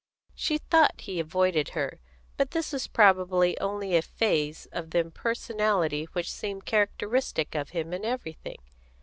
She thought he avoided her; but this was probably only a phase of the impersonality which seemed characteristic of him in everything.